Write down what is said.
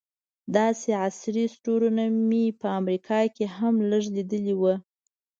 داسې عصري سټورونه مې په امریکا کې هم لږ لیدلي وو.